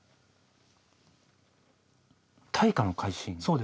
大化の改新。